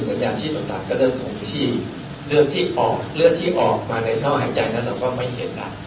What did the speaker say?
สัญญาณที่ต่างก็เริ่มถูกที่เลือดที่ออกมาในหน้าหายใจนั้นเราก็ไม่เห็น